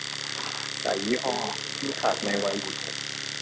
สายยี่ห้อ นี่ขาดในไวอยู่แฮะ